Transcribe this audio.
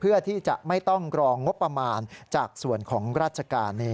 เพื่อที่จะไม่ต้องกรองงบประมาณจากส่วนของราชการ